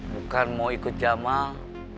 bukan mau ikut jamal